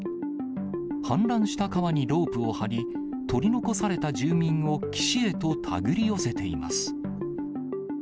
氾濫した川にロープを張り、取り残された住民を岸へと手繰り寄せています。